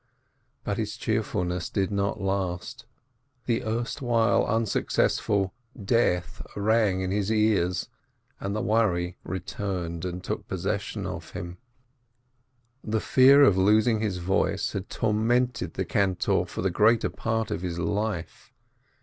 But his cheerfulness did not last : the erstwhile unsuc cessful "death" rang in his ears, and the worry returned and took possession of him. The fear of losing his voice had tormented the cantor for the greater part of his life.